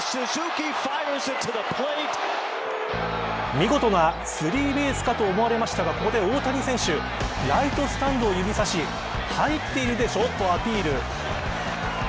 見事なスリーベースかと思われましたが、ここで大谷選手ライトスタンドを指差し入っているでしょ、とアピール。